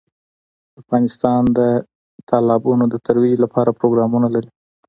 افغانستان د تالابونو د ترویج لپاره پروګرامونه لري.